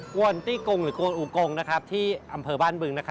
วนตี้กงหรือกวนอูกงที่อำเภอบ้านบึง